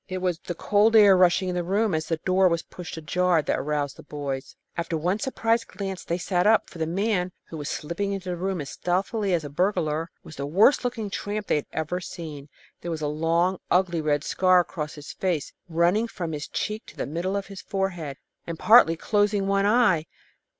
It was the cold air rushing into the room as the door was pushed ajar that aroused the boys. After one surprised glance they sat up, for the man, who was slipping into the room as stealthily as a burglar, was the worst looking tramp they had ever seen. There was a long, ugly red scar across his face, running from his cheek to the middle of his forehead, and partly closing one eye.